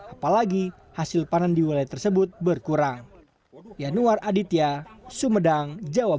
apalagi hasil panen di wilayah tersebut berkurang